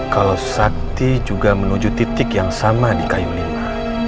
kalau sakti juga menuju titik yang sama di kayu lima